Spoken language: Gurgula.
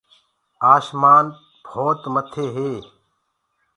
آشمآن تمآ مٿي هي۔